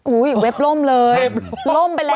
อุ้ยเว็บโล่มเลยโล่มไปแล้ว